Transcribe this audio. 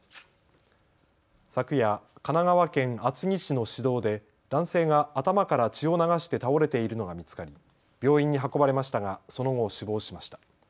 昨夜、神奈川県厚木市の市道で男性が頭から血を流して倒れているのが見つかり病院に運ばれましたがその後、死亡しました。